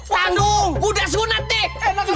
waduh udah sunat deh